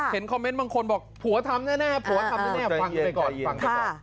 เห็นคอมเมนต์บางคนบอกผัวทำแน่หวังไว้ก่อน